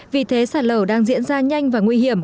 vì thế sạt lở đang diễn ra nhanh và nguy hiểm